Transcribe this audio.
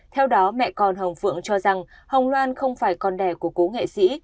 theo đó mẹ con hồng phượng cho rằng hồng loan không phải con đẻ của cố nghệ sĩ